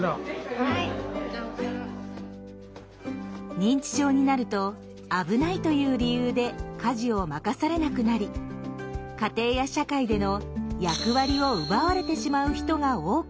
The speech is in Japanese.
認知症になると「危ない」という理由で家事を任されなくなり家庭や社会での役割を奪われてしまう人が多くいます。